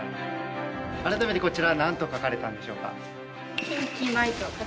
あらためてこちら何と書かれたんでしょうか？